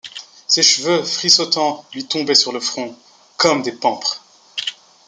Ses cheveux frisottants lui tombaient sur le front, comme des pampres.